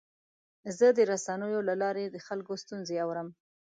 زه د رسنیو له لارې د خلکو ستونزې اورم.